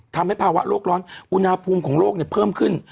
ทำให้ภาวะโลกร้อนอุณหภูมิของโลกเพิ่มขึ้น